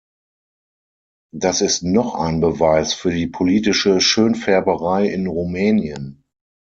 Das ist noch ein Beweis für die politische Schönfärberei in Rumänien.